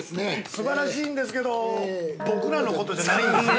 ◆すばらしいんですけど、僕らのことじゃないんですね。